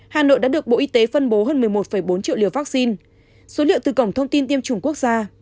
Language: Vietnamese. hà nội đã được bộ y tế phân bố hơn một mươi một bốn triệu liều vaccine số liệu từ cổng thông tin tiêm chủng quốc gia